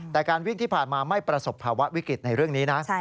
แต่การวิ่งที่ผ่านมาไม่ประสบภาวะวิกฤตในเรื่องนี้นะ